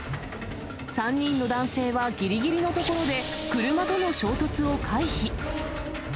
３人の男性はぎりぎりのところで、車との衝突を回避。